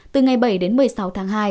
từ ngày bảy đến một mươi sáu tháng hai